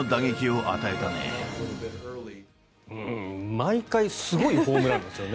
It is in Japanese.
毎回すごいホームランですよね。